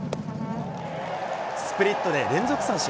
スプリットで連続三振。